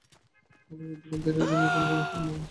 অগ্রগতি বলতে এটার জন্য এখনো কোনো ফান্ড আমরা পাইনি।